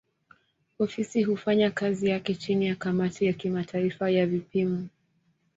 Ofisi hufanya kazi yake chini ya kamati ya kimataifa ya vipimo.